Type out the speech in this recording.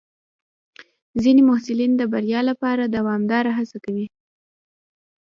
ځینې محصلین د بریا لپاره دوامداره هڅه کوي.